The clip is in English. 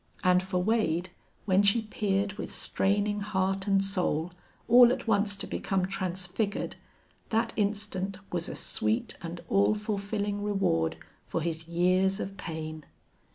And for Wade, when she peered with straining heart and soul, all at once to become transfigured, that instant was a sweet and all fulfilling reward for his years of pain.